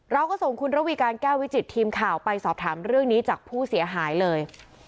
เราก็ส่งคุณระวีการแก้ววิจิตทีมข่าวไปสอบถามเรื่องนี้จากผู้เสียหายเลย